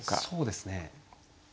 そうですね。